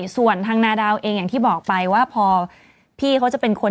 ส่วนทางนาดาวเองอย่างที่บอกไปว่าพอพี่เขาจะเป็นคน